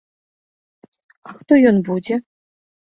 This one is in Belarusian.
А хто ён будзе?